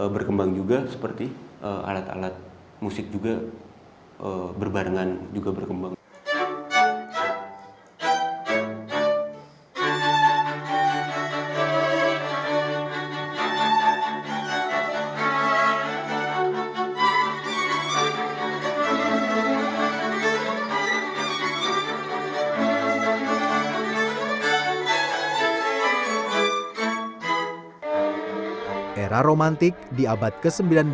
berkembang juga seperti alat alat musik juga berbarengan juga berkembang